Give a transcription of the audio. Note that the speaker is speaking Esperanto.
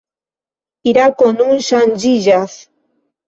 Irako nun ŝanĝiĝas.